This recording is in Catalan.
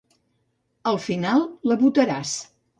Al final, la votaràs.